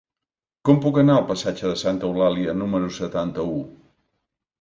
Com puc anar al passatge de Santa Eulàlia número setanta-u?